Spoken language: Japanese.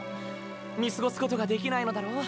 見過ごすことができないのだろ。